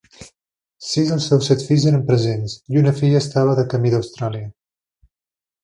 Sis dels seus set fills eren presents, i una filla estava de camí d'Austràlia.